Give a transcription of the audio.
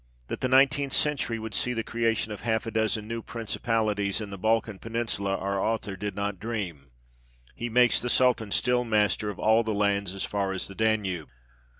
That the nineteenth century would see the xiv THE EDITOR'S PREFACE. creation of half a dozen new principalities in the Balkan Peninsula our author did not dream. He makes the Sultan still master of all the lands as far as the Danube.